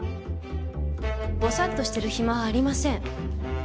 ボサッとしてる暇はありません。